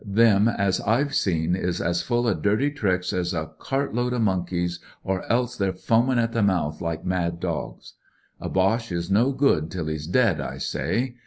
Them as I've seen is as full o' durty tricks as a cartload o' monkeys, or else they're foamin' at the mouth like mad dogs. A Boche is no good till he's dead, I say.